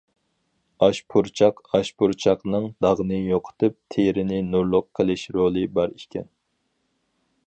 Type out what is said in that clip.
ئاشپۇرچاق ئاشپۇرچاقنىڭ‹‹ داغنى يوقىتىپ، تېرىنى نۇرلۇق قىلىش›› رولى بار ئىكەن.